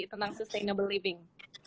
tentang sustainable living